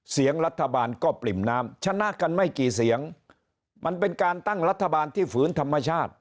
เสียงรัฐบาลก็ปริ่มน้ำชนะกันไม่กี่เสียงมันเป็นการตั้งรัฐบาลที่ฝืนธรรมชาติ